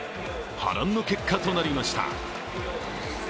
波乱の結果となりました。